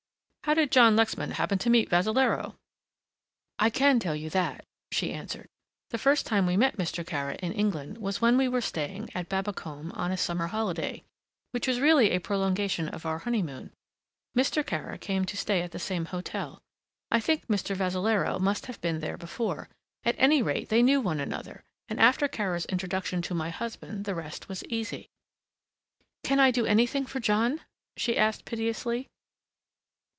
"How did John Lexman happen to meet Vassalaro!" "I can tell you that," she answered, "the first time we met Mr. Kara in England was when we were staying at Babbacombe on a summer holiday which was really a prolongation of our honeymoon. Mr. Kara came to stay at the same hotel. I think Mr. Vassalaro must have been there before; at any rate they knew one another and after Kara's introduction to my husband the rest was easy. "Can I do anything for John!" she asked piteously.